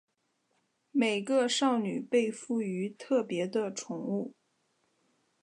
每个少女被赋与特别的宠物。